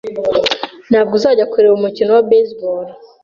Ntabwo uzajya kureba umukino wa baseball?